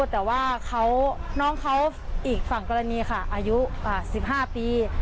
แต่ว่าน้องเขาอีกฝั่งกรณีค่ะอายุ๑๕ปี